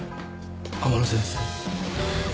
天野先生。